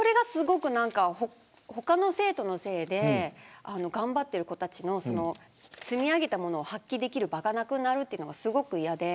他の生徒のせいで頑張っている子たちの積み上げたものを発揮できる場がなくなるというのがすごく嫌で。